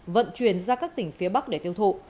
vận chuyển ra các tỉnh phía bắc để tiêu thụ